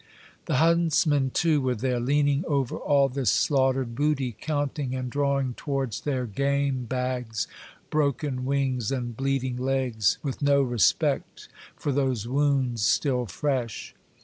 The huntsmen too were there, leaning over all this slaughtered booty, counting and drawing towards their game bags broken wings and bleeding legs, with no respect for those wounds, still fresh.